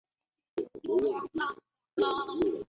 丽纹梭子蟹为梭子蟹科梭子蟹属的动物。